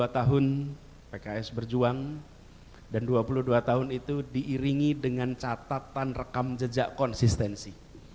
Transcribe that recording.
dua tahun pks berjuang dan dua puluh dua tahun itu diiringi dengan catatan rekam jejak konsistensi